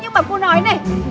nhưng mà cô nói này